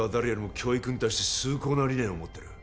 教育に対して崇高な理念を持ってる